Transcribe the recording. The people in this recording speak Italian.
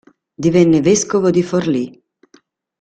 Divenne vescovo di Forlì.